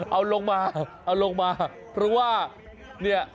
เอาลงมาเพราะว่า